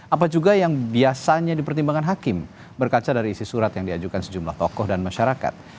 apa juga yang biasanya dipertimbangkan hakim berkaca dari isi surat yang diajukan sejumlah tokoh dan masyarakat